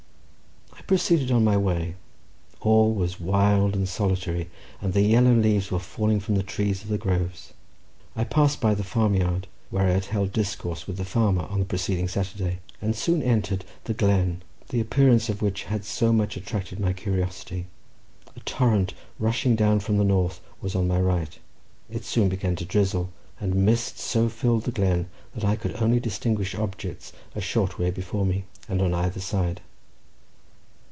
I proceeded on my way, all was wild and solitary, and the yellow leaves were falling from the trees of the groves. I passed by the farmyard, where I had held discourse with the farmer on the preceding Saturday, and soon entered the glen, the appearance of which had so much attracted my curiosity. A torrent, rushing down from the north, was on my right. It soon began to drizzle, and mist so filled the glen that I could only distinguish objects a short way before me, and on either side.